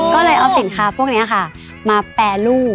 ก็เลยเอาสินค้าพวกนี้ค่ะมาแปรรูป